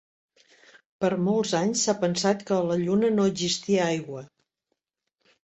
Per molts anys s'ha pensat que a la Lluna no existia aigua.